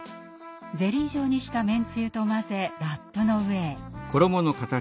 ゼリー状にしためんつゆと混ぜラップの上へ。